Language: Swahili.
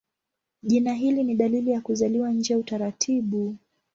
Jina hili ni dalili ya kuzaliwa nje ya utaratibu.